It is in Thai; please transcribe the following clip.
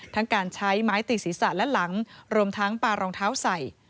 ทั้งการใช้ไม้ตีศีรษะและหลังรวมทั้งปลารองเท้าใส่